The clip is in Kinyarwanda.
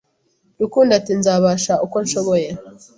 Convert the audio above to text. Rukundo ati nzabasha uko nshoboye